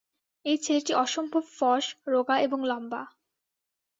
এই ছেলেটি অসম্ভব ফস, রোগা এবং লম্বা।